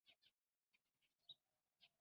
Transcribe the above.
دې کار واکمنې طبقې ته واک ورکاوه